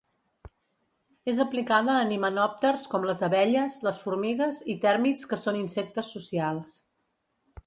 És aplicada en himenòpters com les abelles, les formigues i tèrmits que són insectes socials.